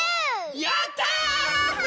やった！